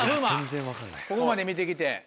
ここまで見て来て。